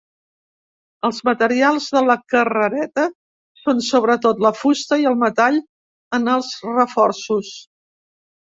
Els materials de la carrereta són sobretot la fusta i el metall en els reforços.